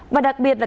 và đặc biệt là